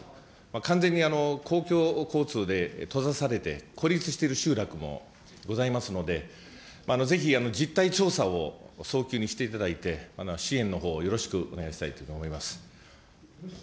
完全に公共交通で閉ざされて孤立している集落もございますので、ぜひ、実態調査を早急にしていただいて、支援のほうをよろしくお願いしたいと思います。